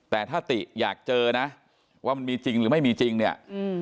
แต่ถ้าติอยากเจอนะว่ามันมีจริงหรือไม่มีจริงเนี่ยอืม